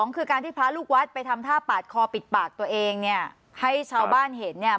คือการที่พระลูกวัดไปทำท่าปาดคอปิดปากตัวเองเนี่ยให้ชาวบ้านเห็นเนี่ย